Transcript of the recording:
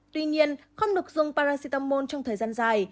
tuy nhiên không được dùng parangetamon trong thời gian dài